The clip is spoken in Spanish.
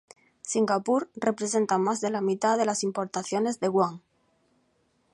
Singapur representa más de la mitad de las importaciones de Guam.